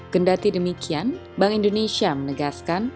kendati demikian bank indonesia menegaskan